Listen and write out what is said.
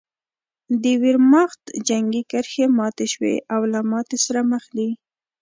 د ویرماخت جنګي کرښې ماتې شوې او له ماتې سره مخ دي